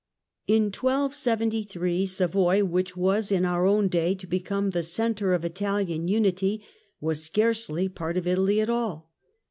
In 1273, Savoy which was in our own day to become the centre of Italian unity, was scarcely part of Italy at all.